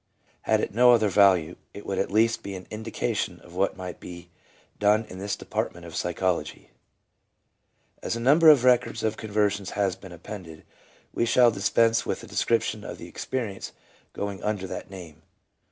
Had it no other value, it would at least be an indication of what might be done in this department of psychology. As a number of records of conversions has been appended, we shall dispense with a description of the experience going under that name.